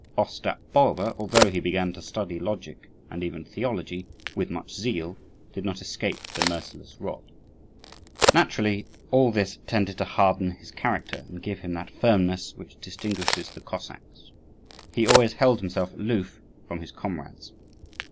Ostap Bulba, although he began to study logic, and even theology, with much zeal, did not escape the merciless rod. Naturally, all this tended to harden his character, and give him that firmness which distinguishes the Cossacks. He always held himself aloof from his comrades.